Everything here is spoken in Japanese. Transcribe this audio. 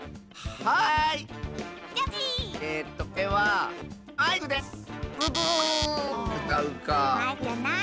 はい！